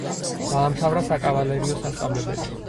დაამთავრა საკავალერიო სასწავლებელი.